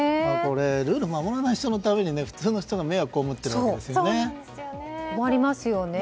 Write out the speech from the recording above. ルールを守らない人のために普通の人が迷惑をこうむっているわけですね。